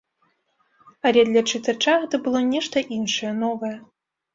Але для чытача гэта было нешта іншае, новае.